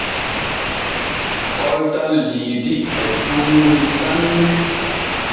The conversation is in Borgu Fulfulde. Koltal Liidi e tuuni sanne.